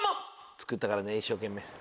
作ったからね一生懸命。